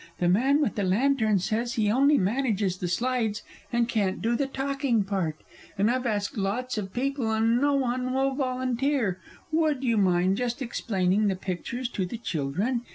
The man with the lantern says he only manages the slides, and can't do the talking part. And I've asked lots of people, and no one will volunteer. Would you mind just explaining the pictures to the children?